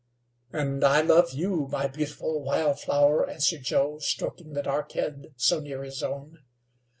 "And I love you, my beautiful wild flower," answered Joe, stroking the dark head so near his own.